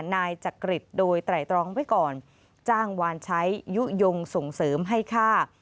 นายจักริตโดยไตรตรองไว้ก่อนจ้างวานใช้ยุโยงส่งเสริมให้ฆ่า